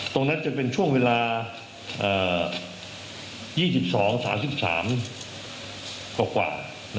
ตรงนั้นจะเป็นช่วงเวลา๒๒๓๓กว่า